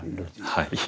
はい。